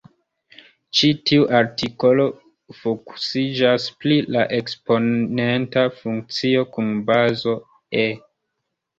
Ĉi tiu artikolo fokusiĝas pri la eksponenta funkcio kun bazo "e".